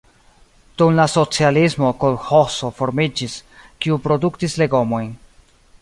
Dum la socialismo kolĥozo formiĝis, kiu produktis legomojn.